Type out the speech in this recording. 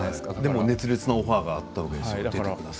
でも熱烈なオファーがあったわけですよね？